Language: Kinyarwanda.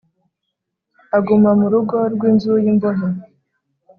Aguma mu rugo rw inzu y imbohe